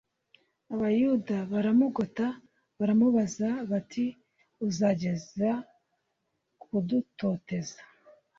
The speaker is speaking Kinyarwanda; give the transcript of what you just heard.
abayuda baramugota baramubaza bati uzageza kudutoteza